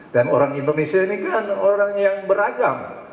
dan orang indonesia ini kan orang yang beragam